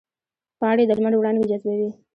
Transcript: پاڼې د لمر وړانګې جذبوي